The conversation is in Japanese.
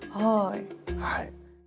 はい。